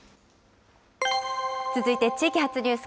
続いて地域発ニュース。